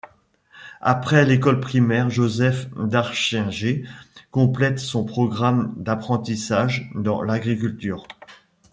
Après l'école primaire, Josef Darchinger complète son programme d'apprentissage dans l'agriculture.